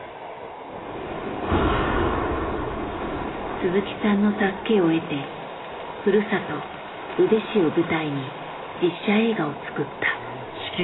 鈴木さんの助けを得てふるさと・宇部市を舞台に実写映画を作った。